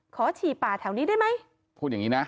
ขอฉี่ป่าแถวนี้ได้ไหม